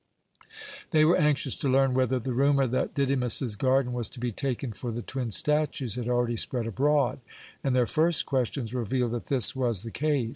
They were anxious to learn whether the rumour that Didymus's garden was to be taken for the twin statues had already spread abroad, and their first questions revealed that this was the case.